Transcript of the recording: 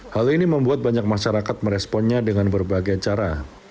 hal ini membuat banyak masyarakat meresponnya dengan berbagai cara